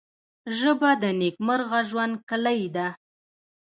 ژبه د نیکمرغه ژوند کلۍ ده